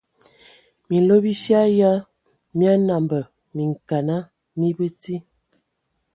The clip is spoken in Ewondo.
Minlo bifia ya mia nambə minkana mi bəti.